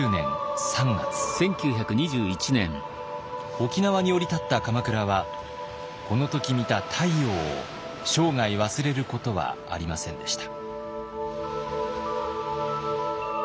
沖縄に降り立った鎌倉はこの時見た太陽を生涯忘れることはありませんでした。